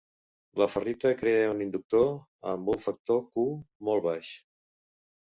La ferrita crea un inductor amb un factor Q molt baix.